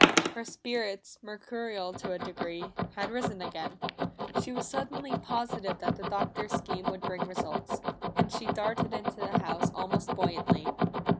Her spirits, mercurial to a degree, had risen again. She was suddenly positive that the Doctor's scheme would bring results, and she darted into the house almost buoyantly.